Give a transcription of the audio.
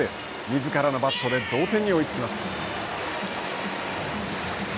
みずからのバットで同点に追いつきます。